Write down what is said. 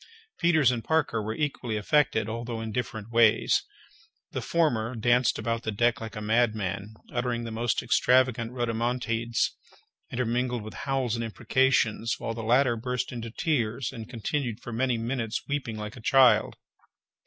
Peters and Parker were equally affected, although in different ways. The former danced about the deck like a madman, uttering the most extravagant rhodomontades, intermingled with howls and imprecations, while the latter burst into tears, and continued for many minutes weeping like a child.